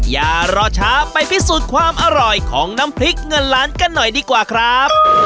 อย่ารอช้าไปพิสูจน์ความอร่อยของน้ำพริกเงินล้านกันหน่อยดีกว่าครับ